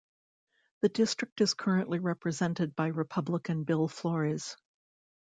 The district is currently represented by Republican Bill Flores.